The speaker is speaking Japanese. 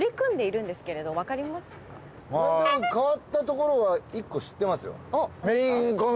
変わったところは１個知ってますよ。